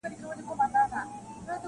د هر چا به ښه او بد ټوله د ځان وای -